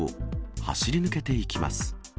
走り抜けていきます。